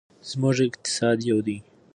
زموږ اقتصاد یو دی.